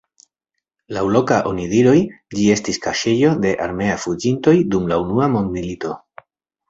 Laŭ loka onidiroj ĝi estis kaŝejo de armeaj fuĝintoj dum la unua mondmilito.